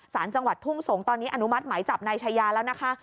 สารจังหวัดทุ่งสงศ์ตอนนี้อนุมัติหมายจับนายชายาแล้วนะคะ